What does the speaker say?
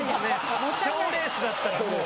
賞レースだったらもう。